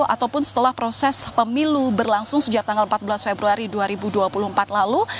ataupun setelah proses pemilu berlangsung sejak tanggal empat belas februari dua ribu dua puluh empat lalu